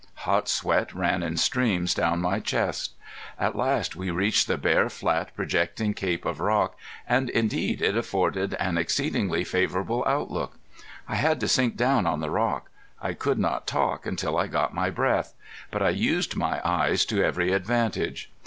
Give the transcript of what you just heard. Hot sweat ran in streams down my chest. At last we reached the bare flat projecting cape of rock, and indeed it afforded an exceedingly favorable outlook. I had to sink down on the rock; I could not talk until I got my breath; but I used my eyes to every advantage.